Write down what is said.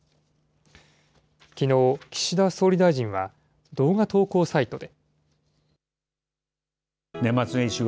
きのう岸田総理大臣は、動画投稿サイトで。